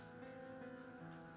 baiklah kalau begitu